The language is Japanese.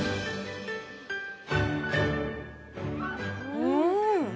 うん！